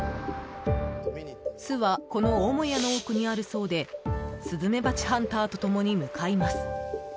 巣はこの母屋の奥にあるそうでスズメバチハンターと共に向かいます。